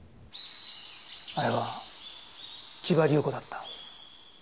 あれは千葉竜吾だった。